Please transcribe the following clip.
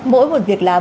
mỗi một việc làm